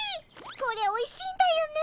これおいしいんだよね。